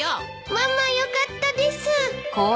ママよかったです。